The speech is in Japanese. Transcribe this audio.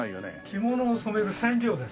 着物を染める染料です。